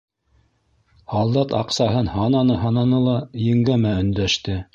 Һалдат аҡсаһын һананы-һананы ла еңгәмә өндәште: